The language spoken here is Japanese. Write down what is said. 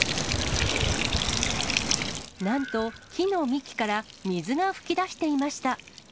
なんと木の幹から水が噴き出していました。